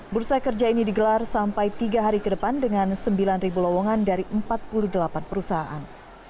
bursa kerja ini digelar sampai tiga hari ke depan dengan sembilan lowongan dari empat puluh delapan perusahaan